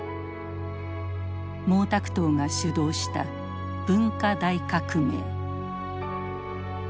毛沢東が主導した文化大革命。